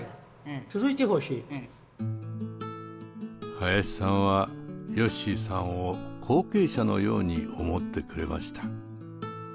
林さんはよっしーさんを後継者のように思ってくれました。